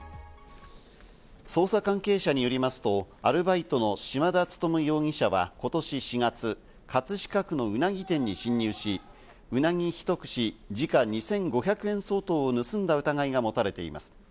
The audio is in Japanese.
捜査関係者によりますと、アルバイトの島田勤容疑者は今年４月、葛飾区のうなぎ店に侵入し、うなぎ１串、時価２５００円相当を盗んだ疑いが持たれています。